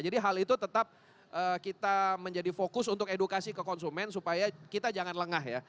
jadi hal itu tetap kita menjadi fokus untuk edukasi ke konsumen supaya kita jangan lengah ya